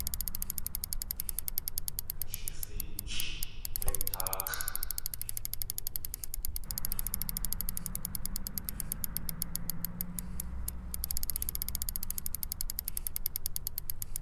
Kashix̲éelʼ wé táax̲ʼ.